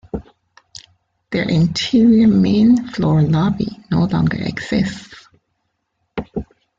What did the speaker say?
The interior main floor lobby no longer exists.